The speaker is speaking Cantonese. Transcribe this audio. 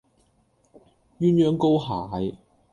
鴛鴦膏蟹